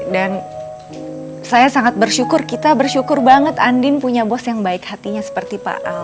dan saya sangat bersyukur kita bersyukur banget andin punya bos yang baik hatinya seperti pak al